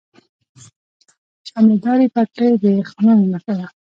شملې دارې پګړۍ د خانانو نښه ده.